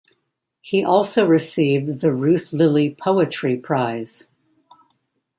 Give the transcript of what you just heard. He also received the Ruth Lilly Poetry Prize.